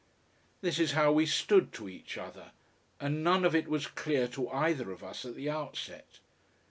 This is how we stood to each other, and none of it was clear to either of us at the outset.